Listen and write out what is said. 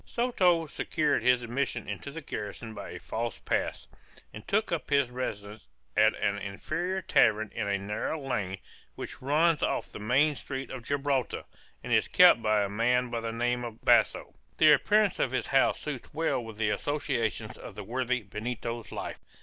Soto secured his admission into the garrison by a false pass, and took up his residence at an inferior tavern in a narrow lane, which runs off the main street of Gibraltar, and is kept by a man of the name of Basso. The appearance of this house suits well with the associations of the worthy Benito's life.